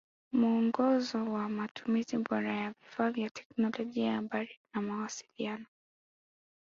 Muongozo wa Matumizi bora ya vifaa vya teknolojia ya habari na mawasiliano